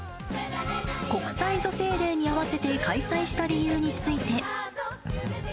国際女性デーに合わせて開催した理由について。